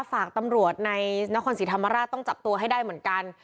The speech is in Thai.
ฝากตำรวจในนครศรีธรรมราชต้องจับตัวให้ได้เหมือนกัน